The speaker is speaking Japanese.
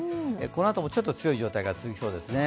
このあともちょっと強い状態が続きそうですね。